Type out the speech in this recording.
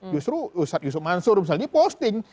justru ustadz yusuf mansur misalnya posting